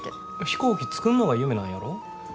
飛行機作んのが夢なんやろ？